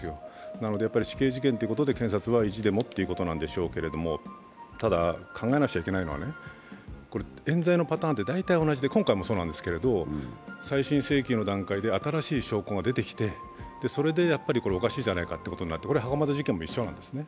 なので、死刑事件ということで検察は意地でもってことなんでしょうけどただ、考えなくちゃいけないのはこれ、えん罪のパターンって大体同じで今回もそうなんですけど再審請求の団体で新しい証拠が出てきて、そこでおかしいじゃないかということになってこれ、袴田事件も一緒なんですね。